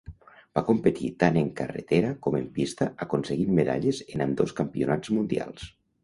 Va competir tant en carretera com en pista aconseguint medalles en ambdós campionats mundials.